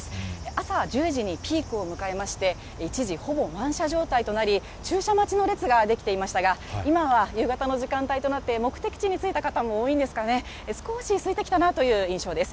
朝１０時にピークを迎えまして、一時、ほぼ満車状態となり、駐車待ちの列が出来ていましたが、今は夕方の時間帯となって、目的地に着いた方も多いんですかね、少しすいてきたなという印象です。